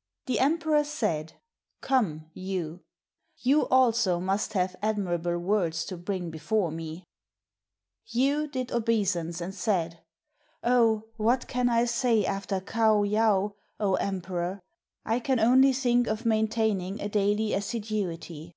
] The emperor said, " Come, Yu, you also must have admirable words to bring before me." Yu did obeisance SHUN OF YU and said, "Oh! what can I say after Kaou yaou, O emperor? I can only think of maintaining a daily assiduity."